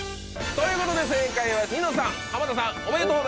ということで正解はニノさん濱田さんおめでとうございます。